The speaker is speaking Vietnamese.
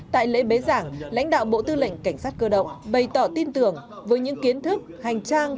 tại lễ bế giảng lãnh đạo bộ tư lệnh cảnh sát cơ động bày tỏ tin tưởng với những kiến thức hành trang